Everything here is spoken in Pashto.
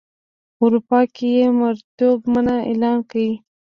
اروپا کې یې مریتوب منع اعلان کړ.